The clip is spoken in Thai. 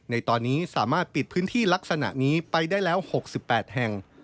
ในตอนนี้สามารถปิดพื้นที่ลักษณะนี้ไปได้แล้ว๖๘แห่ง